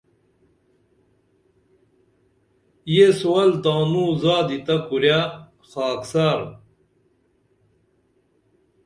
یہ سول تانو زادی تہ کُریہ خاکسار